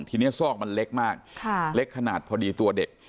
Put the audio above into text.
ทีนี้ซอกมันเล็กมากเล็กขนาดพอดีตัวเด็ก